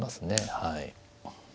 はい。